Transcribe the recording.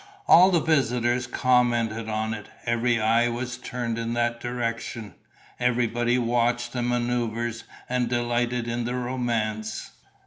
All the visitors commented on it, every eye was turned in that direction, everybody watched the manoeuvres and delighted in the romance.